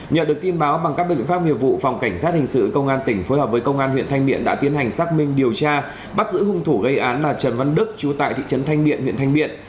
nhờ được tin báo bằng các biện pháp nghiệp vụ phòng cảnh sát hình sự công an tỉnh phối hợp với công an huyện thanh miện đã tiến hành xác minh điều tra bắt giữ hung thủ gây án là trần văn đức chú tại thị trấn thanh miện huyện thanh miện